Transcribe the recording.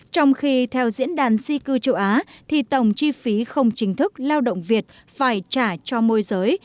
trong khi theo diễn đàn di cư châu á thì tổng chi phí không chính thức lao động việt phải trả cho môi giới